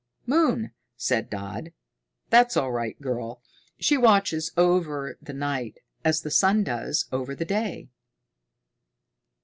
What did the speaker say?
"Moon," said Dodd. "That's all right, girl. She watches over the night, as the sun does over the day."